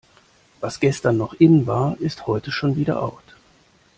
Was gestern noch in war, ist heute schon wieder out.